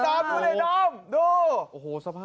ดูเลยน้องดู